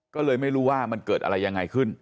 ก็เลยไม่รู้ว่ามันเกิดอะไรยังไงขึ้น